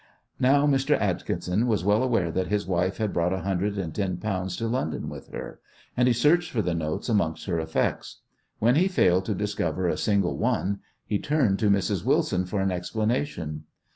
Now, Mr. Atkinson was well aware that his wife had brought a hundred and ten pounds to London with her, and he searched for the notes amongst her effects. When he failed to discover a single one he turned to Mrs. Wilson for an explanation.